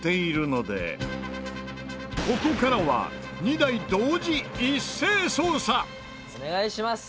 ここからは「お願いします。